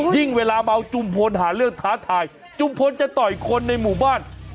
เวลาเมาจุมพลหาเรื่องท้าทายจุมพลจะต่อยคนในหมู่บ้าน